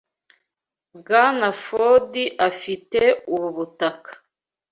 Bwana Ford afite ubu butaka.